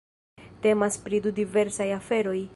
Temas pri du diversaj aferoj.